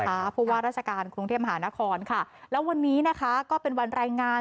เพราะว่าราชการกรุงเทพมหานครค่ะแล้ววันนี้นะคะก็เป็นวันรายงาน